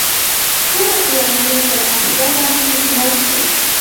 ټوله کورنۍ مې پر عقیده باندې مړه شول.